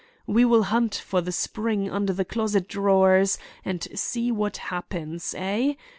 We will hunt for the spring under the closet drawers and see what happens, eh?